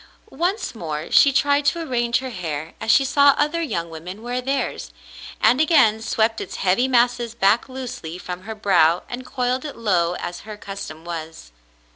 Once more she tried to arrange her hair as she saw other young women wear theirs, and again swept its heavy masses back loosely from her brow and coiled it low as her custom was.